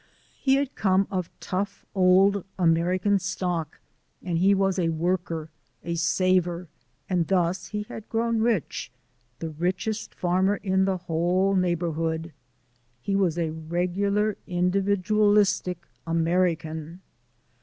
He had come of tough old American stock and he was a worker, a saver, and thus he had grown rich, the richest farmer in the whole neighbourhood. He was a regular individualistic American.